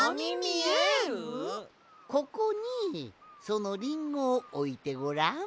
ここにそのリンゴをおいてごらん。